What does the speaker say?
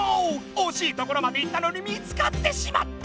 おしいところまでいったのに見つかってしまった！